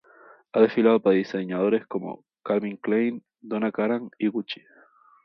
Ha desfilado para diseñadores como Calvin Klein, Donna Karan, y Gucci.